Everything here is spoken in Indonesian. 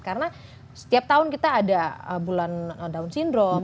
karena setiap tahun kita ada bulan down syndrome